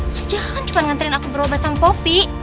mas jaka kan cuma nganterin aku berobat sama popi